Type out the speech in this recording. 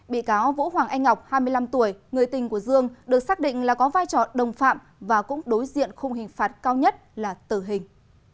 bị cáo vũ hoàng anh ngọc hai mươi năm tuổi người tình của dương được xác định là có vai trò đồng phạm và cũng đối diện khung hình phạt cao nhất là tử hình